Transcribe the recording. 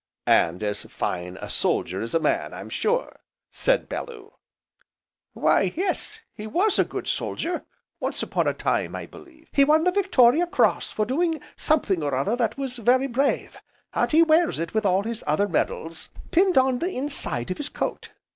"And as fine a soldier as a man, I'm sure," said Bellew. "Why yes, he was a good soldier, once upon a time, I believe, he won the Victoria Cross for doing something or other that was very brave, and he wears it with all his other medals, pinned on the inside of his coat.